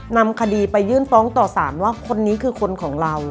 นำคดีไปยื่นฟ้องต่อสารว่าคนนี้คือคนของเรา